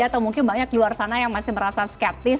atau mungkin banyak luar sana yang masih merasa skeptis